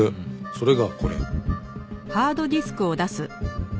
それがこれ。